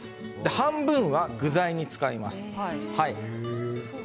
半分は具材に使います。